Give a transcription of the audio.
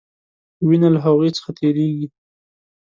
وینه له هغوي څخه تیریږي.